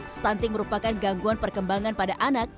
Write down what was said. stunting merupakan gangguan perkembangan pada anak